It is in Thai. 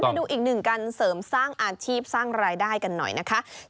ไปดูอีกหนึ่งการเสริมสร้างอาชีพสร้างรายได้กันหน่อยนะคะ